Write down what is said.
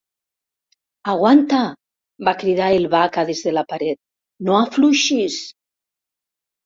Aguanta! —va cridar el Vaca des de la paret— No afluixis!